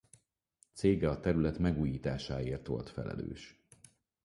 Cége a terület megújításáért volt felelős.